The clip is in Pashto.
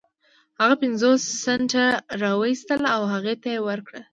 هغه پنځوس سنټه را و ايستل او هغې ته يې ورکړل.